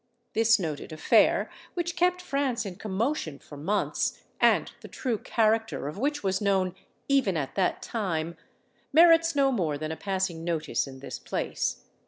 This noted affair, which kept France in commotion for months, and the true character of which was known even at that time, merits no more than a passing notice in this place.